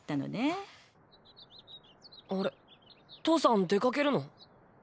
父さん出かけるの？